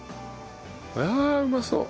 ああうまそう。